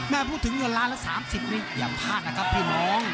แม่พูดถึงเงินล้านแล้วสามสิบอย่าพลาดนะครับพี่น้อง